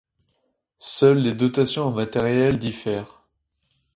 Seules les dotations en matériels diffèrent.